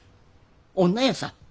女やさ。